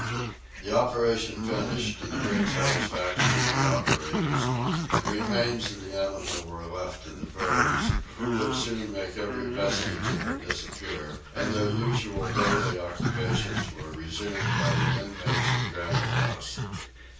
The operation finished, to the great satisfaction of the operators, the remains of the animal were left to the birds, who would soon make every vestige of it disappear, and their usual daily occupations were resumed by the inmates of Granite House.